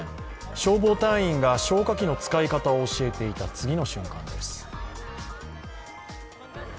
消防隊員が消火器の使い方を教えていた次の瞬間です。